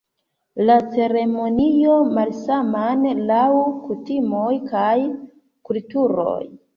La ceremonioj malsamas laŭ kutimoj kaj kulturoj.